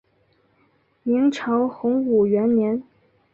明朝洪武元年。